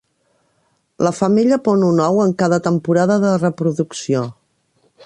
La femella pon un ou en cada temporada de reproducció.